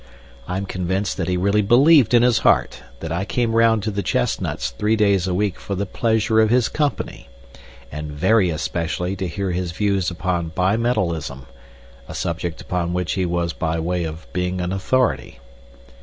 I am convinced that he really believed in his heart that I came round to the Chestnuts three days a week for the pleasure of his company, and very especially to hear his views upon bimetallism, a subject upon which he was by way of being an authority.